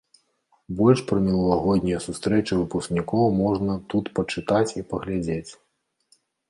Больш пра мінулагоднія сустрэчы выпускнікоў можна тут пачытаць і паглядзець.